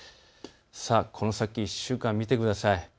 この先１週間、見てください。